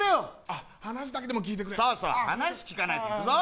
あっ話だけでも聞いてくれそうそう話聞かないといくぞ